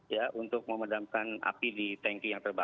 ya untuk memadamkan api di tanki yang terbang